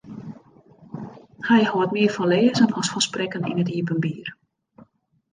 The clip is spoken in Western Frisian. Hy hâldt mear fan lêzen as fan sprekken yn it iepenbier.